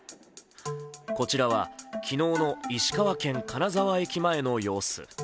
こちらは昨日の石川県・金沢駅前の様子。